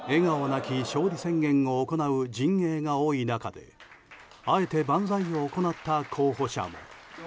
なき勝利宣言を行う陣営が多い中であえて万歳を行った候補者も。